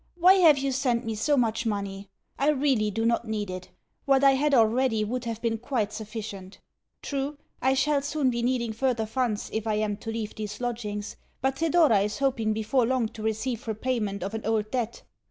Why have you sent me so much money? I really do not need it what I had already would have been quite sufficient. True, I shall soon be needing further funds if I am to leave these lodgings, but Thedora is hoping before long to receive repayment of an old debt.